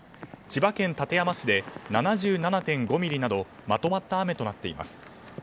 千葉県館山市で７７．５ミリなどまとまった雨となっています。